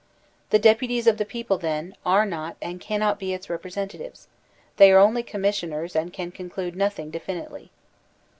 The deputies of the people, then, are not and cannot be its represent atives; they are only its commissioners and can conclude nothing definitely.